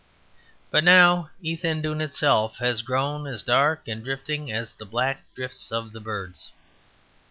But now Ethandune itself has grown as dark and drifting as the black drifts of the birds.